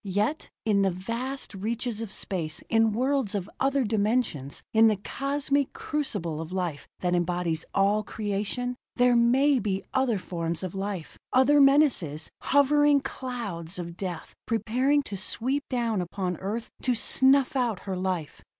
Yet in the vast reaches of space, in worlds of other dimensions, in the cosmic crucible of life that embodies all creation, there may be other forms of life, other menaces, hovering clouds of death, preparing to sweep down upon Earth to snuff out her life.